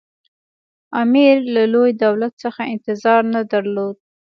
امیر له لوی دولت څخه انتظار نه درلود.